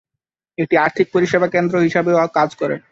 এটি আর্থিক পরিষেবা কেন্দ্র হিসাবেও কাজ করে।